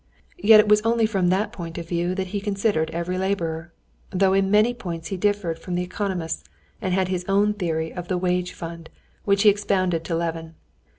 Yet it was only from that point of view that he considered every laborer, though in many points he differed from the economists and had his own theory of the wage fund, which he expounded to Levin.